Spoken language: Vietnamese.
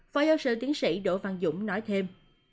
phó giáo sư tiến sĩ đỗ văn dũng nói thêm